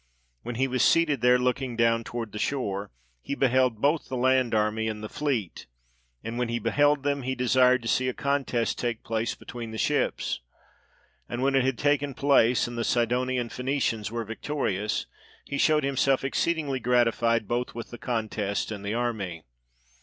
When he was seated there, looking down toward the shore, he beheld both the land army and the fleet; and when he beheld them, he desired to see a contest take place between the ships; and when it had taken place, and the Sidonian Phoenicians were victorious, he showed himself exceed ingly gratified both with the contest and the army.